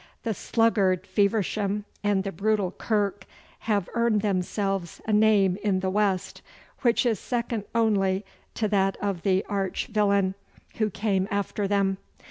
The sluggard Feversham and the brutal Kirke have earned themselves a name in the West, which is second only to that of the arch villain who came after them.